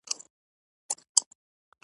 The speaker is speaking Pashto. دا د تولیدي منابعو د تخصیص په اړه دی.